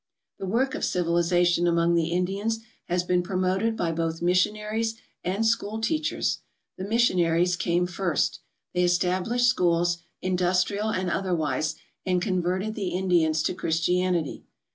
The work of civilization among the Indians has been promoted by both missionaries and school teachers. The missionaries came first. They established schools, in dustrial and otherwise, and converted the Indians to Christianity.